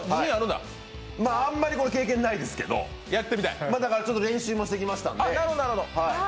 あんまり経験ないですけどだから練習もしてきましたんで。